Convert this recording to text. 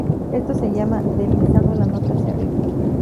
Esto se llama "deslizando la nota hacia arriba".